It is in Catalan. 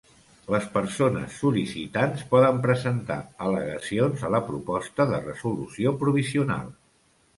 Les persones sol·licitants poden presentar al·legacions a la proposta de resolució provisional.